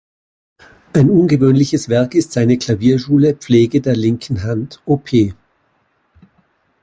Ein ungewöhnliches Werk ist seine Klavierschule "Pflege der linken Hand" op.